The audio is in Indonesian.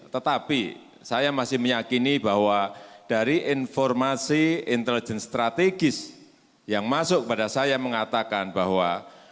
tetapi saya masih meyakini bahwa dari informasi intelijen strategis yang masuk kepada saya mengatakan bahwa